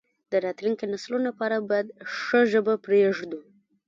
د راتلونکو نسلونو لپاره باید ښه ژبه پریږدو.